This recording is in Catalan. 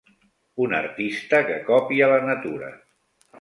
Un artista que copia la natura.